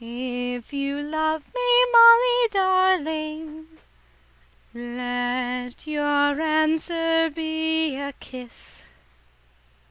"If you love me, Molly darling, Let your answer be a kiss!"